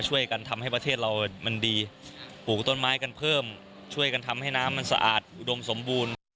ความรู้สึกยังไงครับ